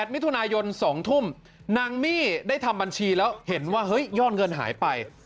มิถุนายน๒ทุ่มนางมี่ได้ทำบัญชีแล้วเห็นว่าเฮ้ยยอดเงินหายไป